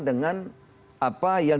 dengan apa yang